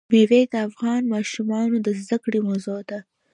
مېوې د افغان ماشومانو د زده کړې موضوع ده.